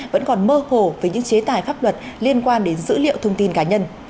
vẫn còn mơ hồ với những chế tài pháp luật liên quan đến dữ liệu thông tin cá nhân